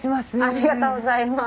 ありがとうございます。